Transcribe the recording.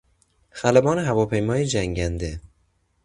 خلبان هواپیمای جنگنده